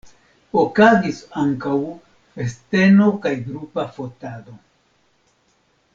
Okazis ankaŭ festeno kaj grupa fotado.